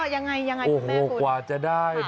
อย่างไรคุณแม่คุณ